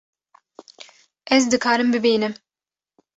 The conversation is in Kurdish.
Ez dikarim bibînim